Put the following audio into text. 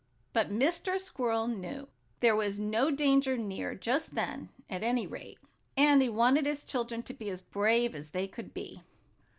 But Mr. Squirrel knew there was no danger near, just then, at any rate, and he wanted his children to be as brave as they could be.